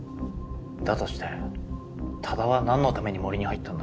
だとして多田はなんのために森に入ったんだ？